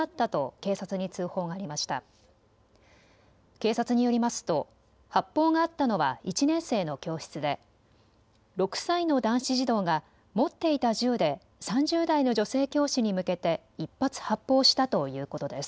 警察によりますと発砲があったのは１年生の教室で６歳の男子児童が持っていた銃で３０代の女性教師に向けて１発、発砲したということです。